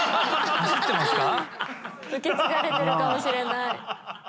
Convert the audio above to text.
受け継がれてるかもしれない。